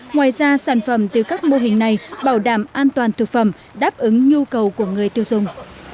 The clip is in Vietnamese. ngoài ra sản phẩm từ các mô hình này bảo đảm an toàn thực phẩm đáp ứng nhu cầu của người tiêu dùng